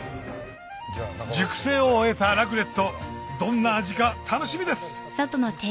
熟成を終えたラクレットどんな味か楽しみです